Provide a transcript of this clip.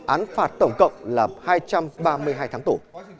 án phạt tổng cộng là hai trăm ba mươi hai tháng tù